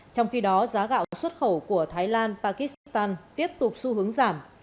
trong khi đó giá gạo xuất khẩu của thái lan pakistan tiếp tục xu hướng giảm